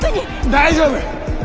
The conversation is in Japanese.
大丈夫！